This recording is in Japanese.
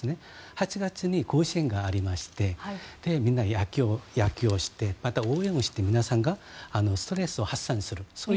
８月に甲子園がありましてみんな野球をしてまた応援をして皆さんがストレスを発散する。